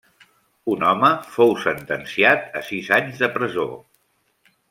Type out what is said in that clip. Un home fou sentenciat a sis anys de presó.